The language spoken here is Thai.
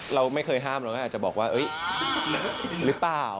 เราไม่เคยห้ามเราก็อาจจะบอกว่าหรือเปล่า